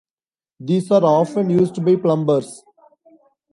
These are often used by plumbers.